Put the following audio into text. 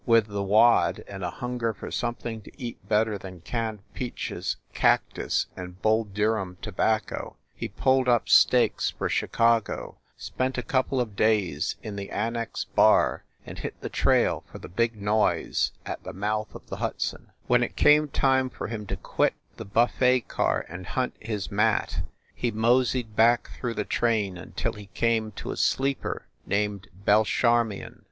With the wad and a hunger for something to eat better than canned peaches, cactus and Bull Durham tobacco, he pulled up stakes for Chicago, spent a couple of days in the Annex Bar and hit the trail for the Big Noise at the mouth of the Hudson. 70 FIND THE WOMAN When it came time for him to quit the buffet car and hunt his mat, he mosied back through the train until he came to a sleeper named Belcharmion.